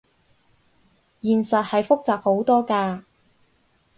現實係複雜好多㗎